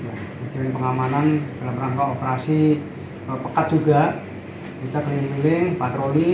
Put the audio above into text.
kita pengamanan dalam rangka operasi pekat juga kita keliling keliling patroli